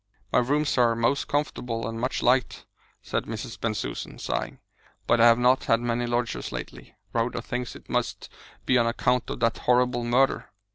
"My rooms are most comfortable, an' much liked," said Mrs. Bensusan, sighing, "but I have not had many lodgers lately. Rhoda thinks it must be on account of that horrible murder."